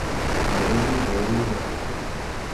Navê min Newroz e.